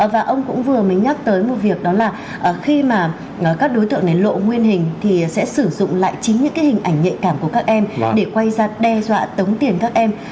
và ông cũng vừa mới nhắc tới một việc đó là khi mà các đối tượng này lộ nguyên hình thì sẽ sử dụng lại chính những cái hình ảnh nhạy cảm của các em để quay ra đe dọa tống tiền các em